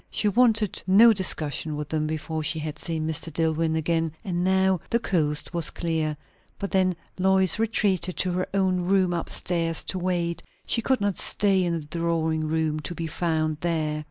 She wanted no discussion with them before she had seen Mr. Dillwyn again; and now the coast was clear. But then Lois retreated to her own room up stairs to wait; she could not stay in the drawing room, to be found there.